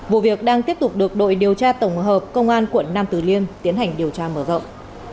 vụ việc đang tiếp tục được đội điều tra tổng hợp công an quận nam tử liêm tiến hành điều tra mở rộng